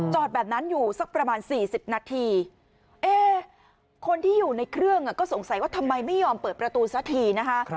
แบบนั้นอยู่สักประมาณ๔๐นาทีคนที่อยู่ในเครื่องก็สงสัยว่าทำไมไม่ยอมเปิดประตูซะทีนะคะ